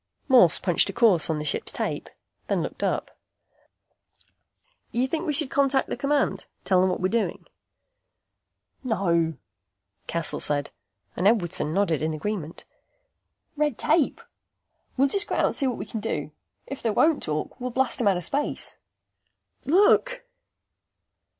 Morse punched a course on the ship's tape, then looked up. "You think we should contact the command? Tell them what we're doing?" "No!" Cassel said, and Edwardson nodded in agreement. "Red tape. We'll just go out and see what we can do. If they won't talk, we'll blast 'em out of space." "Look!"